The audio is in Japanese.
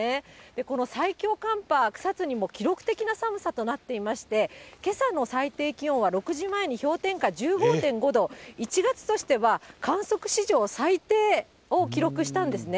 この最強寒波、草津にも記録的な寒さとなっていまして、けさの最低気温は６時前に氷点下１５．５度、１月としては観測史上最低を記録したんですね。